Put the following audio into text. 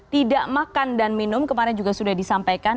tidak makan dan minum kemarin juga sudah disampaikan